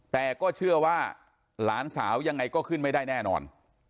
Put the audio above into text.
แต่ก็เชื่อว่าหลานสาวยังไงก็ขึ้นไม่ได้แน่นอน